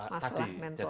masalah mental health